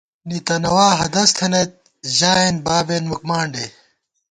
نِتَنَوا ہدَس تھنَئیت ، ژائیېن بابېن مُکمانڈے